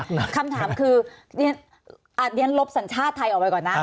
คำถามคือเรียนลบสัญชาติไทยออกไปก่อนนะ